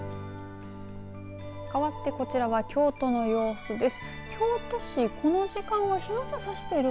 かわってこちらは京都の様子です。